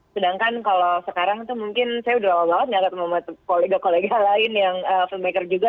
sedangkan kalau sekarang tuh mungkin saya udah lama banget gak ketemu sama kolega kolega lain yang filmmaker juga